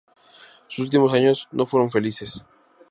Sus últimos años no fueron felices.